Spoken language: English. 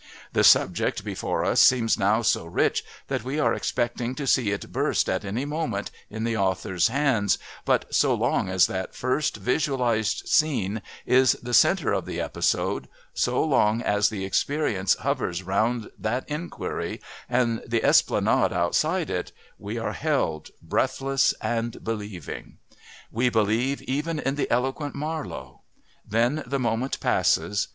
The subject before us seems now so rich that we are expecting to see it burst, at any moment, in the author's hands, but so long as that first visualised scene is the centre of the episode, so long as the experience hovers round that inquiry and the Esplanade outside it, we are held, breathless and believing. We believe even in the eloquent Marlowe. Then the moment passes.